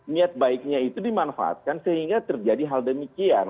niat baiknya itu dimanfaatkan sehingga terjadi hal demikian